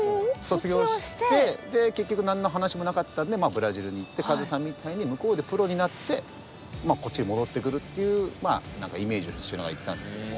卒業してで結局何の話もなかったんでブラジルに行ってカズさんみたいに向こうでプロになってこっちに戻ってくるっていうイメージをしながら行ったんですけども。